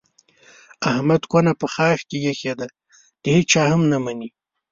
احمد کونه په شاخ کې ایښې ده د هېچا هم نه مني.